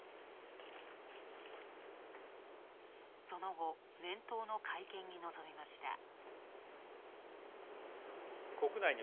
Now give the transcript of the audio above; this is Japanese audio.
その後、年頭の会見に臨みました。